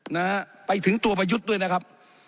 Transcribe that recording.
นะฮะไปถึงตัวประยุทธ์ด้วยนะครับ